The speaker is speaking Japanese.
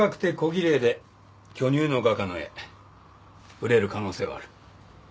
売れる可能性はある